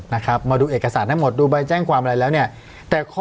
นะครับมาดูเอกสารทั้งหมดดูใบแจ้งความอะไรแล้วเนี่ยแต่ขอ